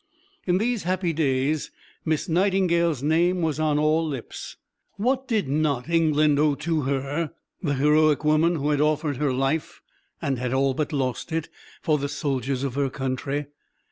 In these happy days Miss Nightingale's name was on all lips. What did not England owe to her, the heroic woman who had offered her life, and had all but lost it, for the soldiers of her country?